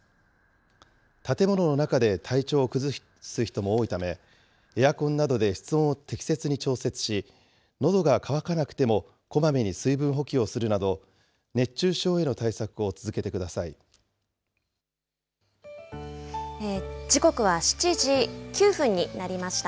建物の中で体調を崩す人も多いため、エアコンなどで室温を適切に調節し、のどが渇かなくてもこまめに水分補給をするなど、時刻は７時９分になりました。